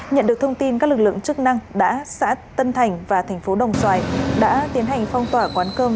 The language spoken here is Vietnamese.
nhận được thông tin các lực lượng chức năng đã xã tân thành và thành phố đồng xoài đã tiến hành phong tỏa quán cơm